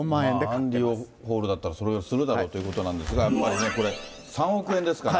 アンディ・ウォーホルだったらそれぐらいするだろうということなんですが、やっぱりね、これ、３億円ですから。